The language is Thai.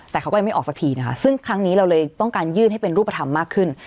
แต่เขาก็ยังไม่ออกสักทีนะคะซึ่งครั้งนี้เราเลยต้องการยื่นให้เป็นรูปธรรมมากขึ้น